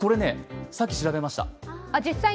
さっき調べました。